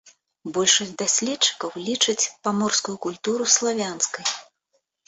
Большасць даследчыкаў лічыць паморскую культуру славянскай.